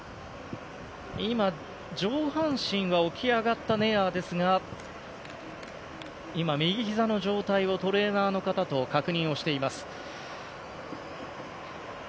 上半身が起き上がったネアーですが今、右ひざの状態をトレーナーの方と確認をしています。